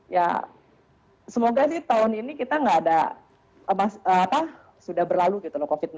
ya semoga sih tahun ini kita nggak ada sudah berlalu gitu loh covid sembilan belas